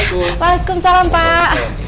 assalamualaikum salam pak